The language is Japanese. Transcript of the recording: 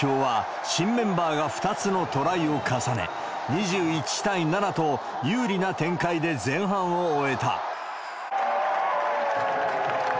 その後、日本代表は、新メンバーが２つのトライを重ね、２１対７と有利な展開で前半を終えた。